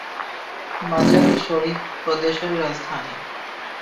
মাজার-ই-শরিফ প্রদেশের রাজধানী।